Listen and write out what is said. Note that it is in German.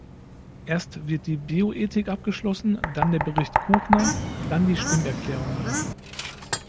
Erst wird die Bioethik abgeschlossen, dann der Bericht Kouchner, dann die Stimmerklärungen.